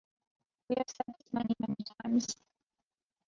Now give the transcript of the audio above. We have said this many, many times.